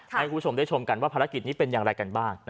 ให้คุณผู้ชมได้ชมกันว่าภารกิจนี้เป็นอย่างไรกันบ้าง